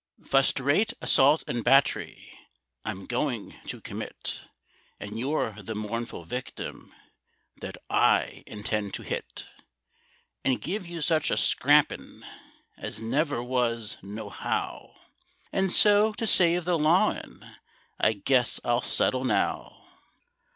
"Fust rate assault and batt'ry I'm goin' to commit, And you're the mournful victim That I intend to hit, And give you such a scrampin' As never was, nohow; And so, to save the lawin', I guess I'll settle now."